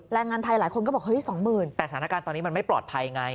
แรงงานไทยหลายคนก็บอกเฮ้ยสองหมื่นแต่สถานการณ์ตอนนี้มันไม่ปลอดภัยไง